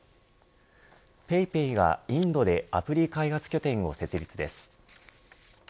ＰａｙＰａｙがインドでアプリ開発拠点を設立です。